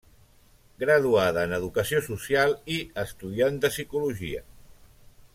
Graduada en Educació Social i estudiant de Psicologia.